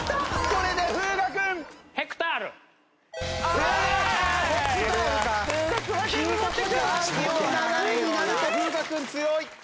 この流れになると風雅君強い！